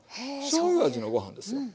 しょうゆ味のご飯ですよ。